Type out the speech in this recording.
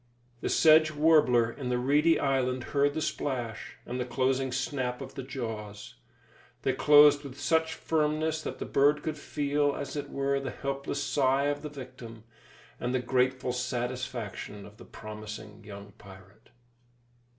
The sedge warbler in the reedy island heard the splash, and the closing snap of the jaws. They closed with such firmness that the bird could feel, as it were, the helpless sigh of the victim, and the grateful satisfaction of the promising young pirate.